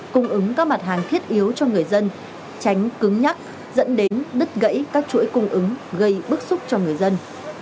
cung ứng các mặt hàng thiết yếu cho người dân tránh cứng nhắc dẫn đến đứt gãy các chuỗi cung ứng gây bức xúc cho người dân